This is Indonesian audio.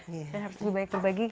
dan harus lebih baik berbagi